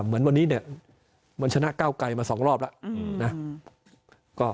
เหมือนวันนี้มันชนะเก้าไกลมา๒รอบแล้ว